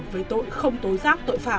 với tội không tối giác tội phạm